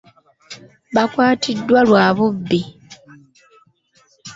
Baakwatiddwa lwa bubbi.